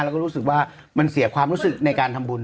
แล้วมันเสียความรู้สึกกับการทำบุญ